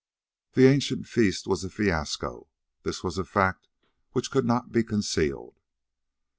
The ancient feast was a fiasco; this was a fact which could not be concealed.